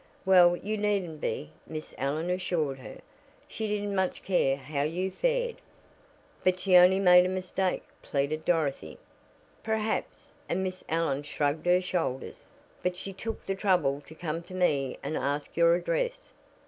"Well, you needn't be," Miss Allen assured her. "She didn't much care how you fared." "But she only made a mistake," pleaded Dorothy. "Perhaps," and Miss Allen shrugged her shoulders; "but she took the trouble to come to me and ask your address."